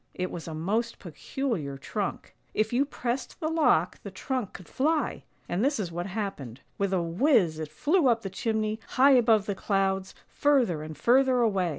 It was a most peculiar trunk. If you pressed the lock the trunk could fly; and this is what happened: with a whiz it flew up the chimney, high above the clouds, further and further away.